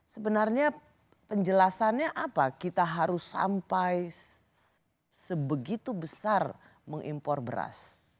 sebenarnya penjelasannya apa kita harus sampai sebegitu besar mengimpor beras